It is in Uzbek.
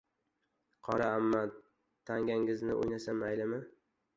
Qora amma», tangangizni o‘ynasam maylimi?